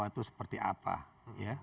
di bawah itu seperti apa ya